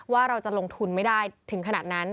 ว่าเราจะลงทุนไม่ได้ถึงขนาดนั้น